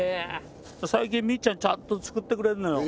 最近みっちゃんちゃんと作ってくれるのよ。